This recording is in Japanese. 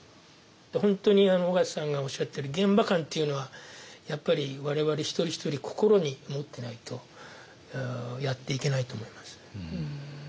本当に緒方さんがおっしゃってる現場感っていうのはやっぱりわれわれ一人一人心に持ってないとやっていけないと思います。